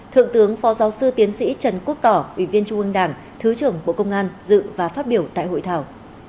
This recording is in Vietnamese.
thượng tướng phó giáo sư tiến sĩ trần quốc tỏ ủy viên trung ương đảng thứ trưởng bộ công an dự và phát biểu tại hội thảo